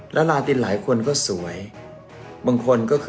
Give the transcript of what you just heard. ปีนี้สายแข่งมาก